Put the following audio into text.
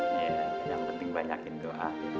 iya yang penting banyakin doa